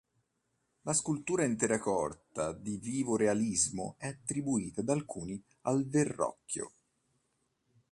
La scultura in terracotta di vivo realismo è attribuita da alcuni al Verrocchio.